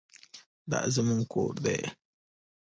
دا زموږ کور دی؟